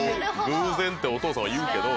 偶然ってお父さんは言うけど。